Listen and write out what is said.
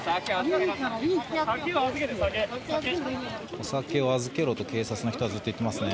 お酒を預けろと警察の人がずっと言っていますね。